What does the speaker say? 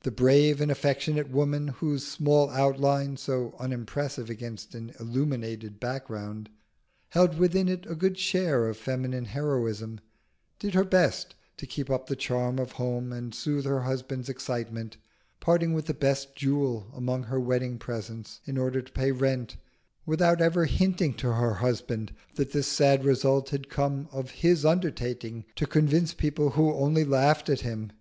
The brave and affectionate woman whose small outline, so unimpressive against an illuminated background, held within it a good share of feminine heroism, did her best to keep up the charm of home and soothe her husband's excitement; parting with the best jewel among her wedding presents in order to pay rent, without ever hinting to her husband that this sad result had come of his undertaking to convince people who only laughed at him.